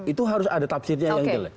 itu harus ada tafsirnya yang jelek